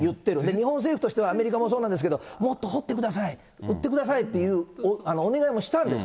日本政府としては、アメリカもそうなんですけど、もっと掘ってください、売ってくださいっていうお願いもしたんです。